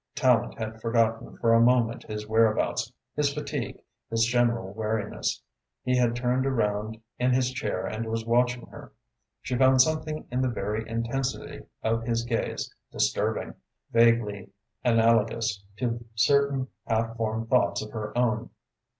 Tallente had forgotten for a moment his whereabouts, his fatigue, his general weariness. He had turned around in his chair and was watching her. She found something in the very intensity of his gaze disturbing, vaguely analogous to certain half formed thoughts of her own.